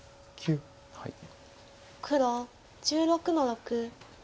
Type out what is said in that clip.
黒１６の六。